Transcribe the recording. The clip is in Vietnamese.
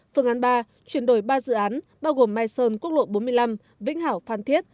phương án ba chuyển đổi ba dự án bao gồm mai sơn quốc lộ bốn mươi năm vĩnh hảo phan thiết